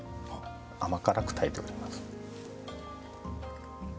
甘辛く炊いております。